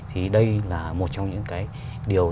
thì đây là một trong những cái điều